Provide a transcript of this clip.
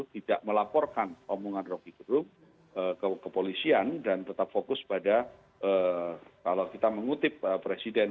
tidak melaporkan omongan roky gerung ke kepolisian dan tetap fokus pada kalau kita mengutip presiden